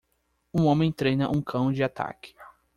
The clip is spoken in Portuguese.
Um homem treina um cão de ataque.